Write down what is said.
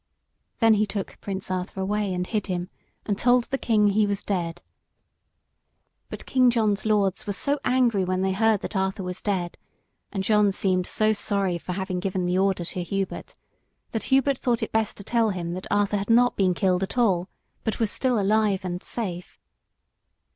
Then he took Prince Arthur away and hid him, and told the King he was dead. But King John's lords were so angry when they heard that Arthur was dead, and John seemed so sorry for having given the order to Hubert, that Hubert thought it best to tell him that Arthur had not been killed at all, but was still alive and safe.